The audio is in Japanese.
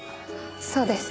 そうです。